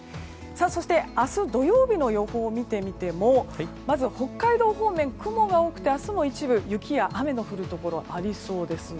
そして、明日土曜日の予報を見てみてもまず北海道方面雲が多くて明日も一部雪や雨の降るところありそうです。